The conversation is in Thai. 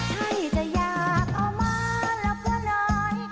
ชัยจะอยากเอามาแล้วเพื่อนหน่อย